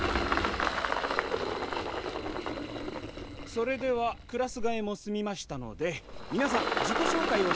それではクラスがえも済みましたのでみなさん自己紹介をしてもらいます。